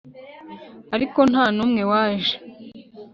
Ariko nta numwe waje